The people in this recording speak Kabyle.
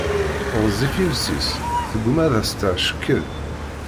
Ɣezzif yiles-is, tegguma ad as-terr ckkel.